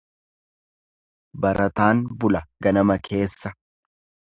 Barataan bula ganama keessa.